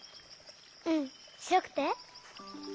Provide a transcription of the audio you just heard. うんしろくて？